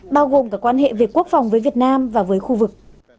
bao gồm cả quan hệ về quốc phòng với việt nam và với khu vực